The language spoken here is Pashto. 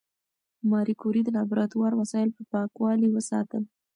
ماري کوري د لابراتوار وسایل په پاکوالي وساتل.